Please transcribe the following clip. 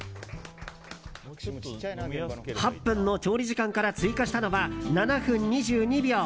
８分の調理時間から追加したのは７分２２秒。